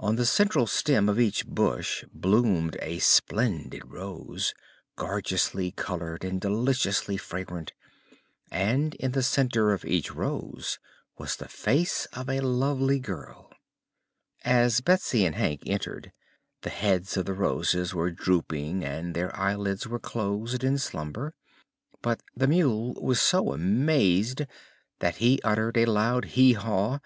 On the central stem of each bush bloomed a splendid Rose, gorgeously colored and deliciously fragrant, and in the center of each Rose was the face of a lovely girl. As Betsy and Hank entered, the heads of the Roses were drooping and their eyelids were closed in slumber; but the mule was so amazed that he uttered a loud "Hee haw!"